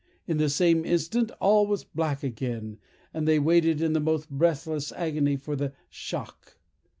In the same instant all was black again, and they waited in the most breathless agony for the shock.